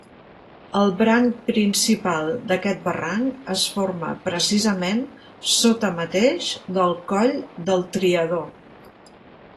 El branc principal d'aquest barranc es forma precisament sota mateix del Coll del Triador.